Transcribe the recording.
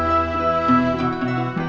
jangan pikir di